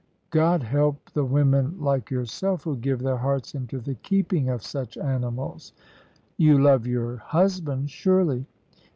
God help the women like yourself, who give their hearts into the keeping of such animals!" "You love your husband, surely."